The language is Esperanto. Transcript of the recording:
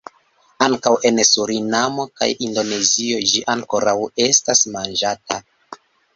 Ankaŭ en Surinamo kaj Indonezio ĝi ankoraŭ estas manĝata.